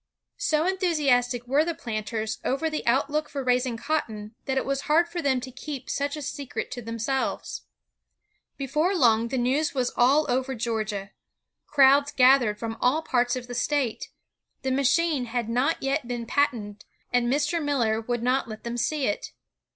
So enthusiastic were the planters over the outlook for raising cotton, that it was hard for them to keep such a secret to themselves. Before long the news was all over Georgia. Crowds gathered from all parts of the state. The machine had not yet been patented, and Mr. Miller would not let them see it.